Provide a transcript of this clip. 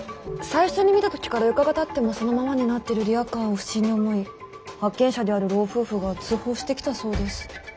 最初に見た時から４日がたってもそのままになってるリアカーを不審に思い発見者である老夫婦が通報してきたそうです。